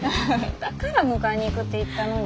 だから迎えに行くって言ったのに。